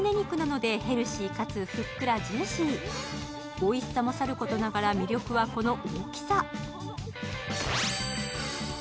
おいしさもさることながら魅力は、この大きさ。